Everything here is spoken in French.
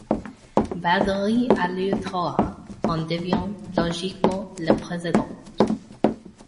Baldiri Aleu Torras en devient logiquement le président.